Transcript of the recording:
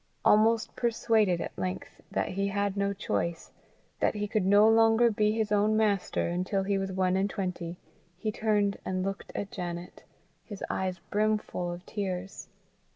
Almost persuaded at length that he had no choice, that he could no longer be his own master, until he was one and twenty, he turned and looked at Janet, his eyes brimful of tears.